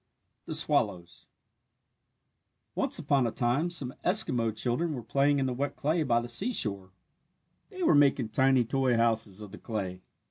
THE SWALLOWS Once upon a time some Eskimo children were playing in the wet clay by the seashore. They were making tiny toy houses of the clay.